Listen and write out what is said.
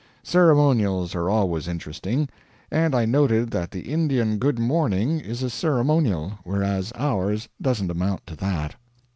Ceremonials are always interesting; and I noted that the Indian good morning is a ceremonial, whereas ours doesn't amount to that.